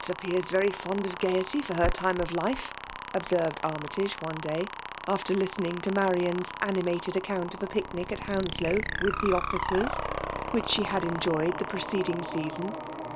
*' Vour wmt seems very fond of gaiety, for \xT lime of life^ observed Army tage one day, after liftenins to Maiian*s animated account of apk' mc at Hounslow^ *' witii the officer^" wbicik die hzA enjoyed the preceding season.